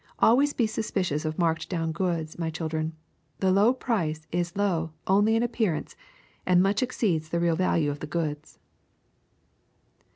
Al ways be suspicious of marked down goods, my chil dren; the low price is low only in appearance and much exceeds the real value of the goods.